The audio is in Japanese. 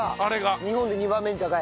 日本で２番目に高い？